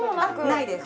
ないです